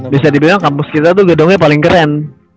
bisa dibilang kampus kita tuh gedungnya paling keren